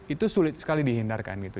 itu sulit sekali dihindarkan gitu